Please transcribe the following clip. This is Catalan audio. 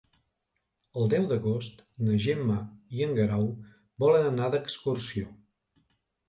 El deu d'agost na Gemma i en Guerau volen anar d'excursió.